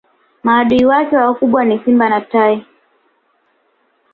maadui wake wakubwa ni simba na tai